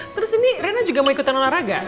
terus ini rena juga mau ikutan olahraga